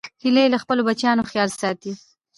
هیلۍ د خپلو بچیانو خیال ساتي